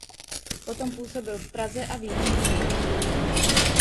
Potom působil v Praze a v Jičíně.